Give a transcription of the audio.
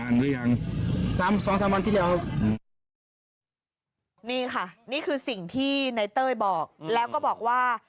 นี่ค่ะนี่คือสิ่งที่ในเต้ยบอกแล้วก็บอกว่า